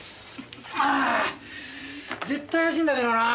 ああ絶対怪しいんだけどなぁ。